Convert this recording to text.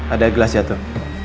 ada gelas jatuh